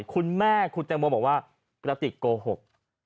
คุณแม่คุณแตงโมบอกว่ากระติกโกหก